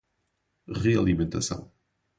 Realimentação